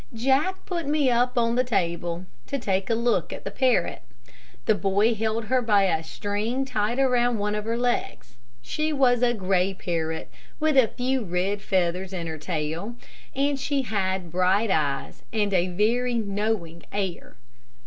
Jack put me up on the table to look at the parrot. The boy held her by a string tied around one of her legs. She was a gray parrot with a few red feathers in her tail, and she had bright eyes, and a very knowing air.